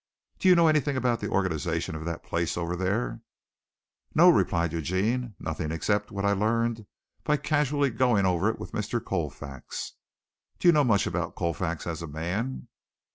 Do you know anything about the organization of that place over there?" "No," replied Eugene, "nothing except what I learned by casually going over it with Mr. Colfax." "Do you know much about Colfax as a man?"